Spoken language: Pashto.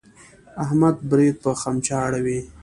احمد برېت په خمچه اړوي.